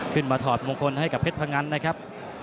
ขึ้นมาถอดมงคลให้กับเพชรพะงันนะครับ